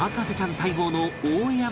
待望の大江山探訪